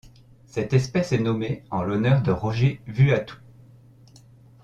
Cette espèce est nommée en l'honneur de Roger Vuattoux.